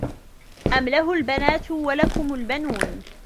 أَم لَهُ البَناتُ وَلَكُمُ البَنونَ